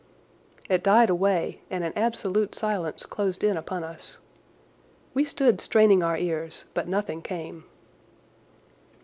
It died away, and an absolute silence closed in upon us. We stood straining our ears, but nothing came.